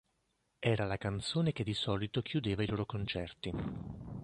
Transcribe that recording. Era la canzone che di solito chiudeva i loro concerti.